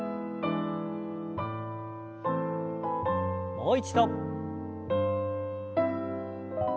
もう一度。